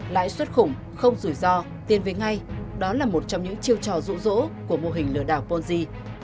lãi suất khủng không rủi ro tiền về ngay đó là một trong những chiêu trò rũ rỗ của mô hình lừa đảo ponzi